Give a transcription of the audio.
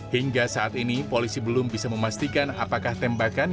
hingga saat ini polisi belum bisa memastikan apakah tembakan